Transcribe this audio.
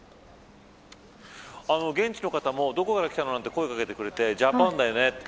現地の方も、どこから来たのと声を掛けてくれてジャパンだよねって。